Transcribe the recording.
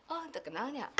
oh itu kenalnya